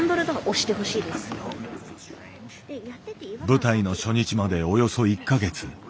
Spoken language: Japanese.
舞台の初日までおよそ１か月。